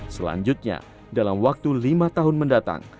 selanjutnya dalam waktu lima tahun mendatang